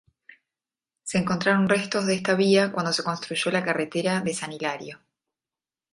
Se encontraron restos de esta vía cuando se construyó la carretera de San Hilario.